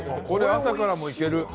これ、朝からもいける。